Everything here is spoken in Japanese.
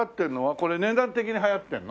これ値段的に流行ってるの？